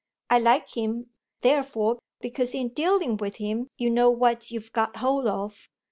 I like him, therefore, because in dealing with him you know what you've got hold of.